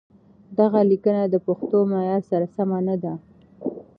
دغه ليکنه د پښتو معيار سره سمه نه ده.